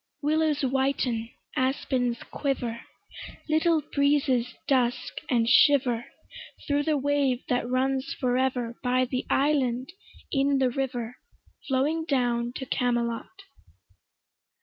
Willows whiten, aspens quiver, Little breezes dusk and shiver Thro' the wave that runs for ever By the island in the river Flowing down to Camelot.